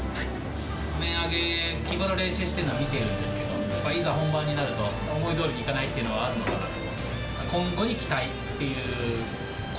麺上げ、日頃練習してるのは見てるんですけど、いざ本番になると、思いどおりにいかないっていうのはあるのかなと。